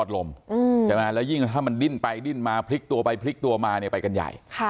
แล้วยิ่งถ้ามันดิ้นไปดิ้นมาพลิกตัวไปพลิกตัวมาเนี่ยไปกันใหญ่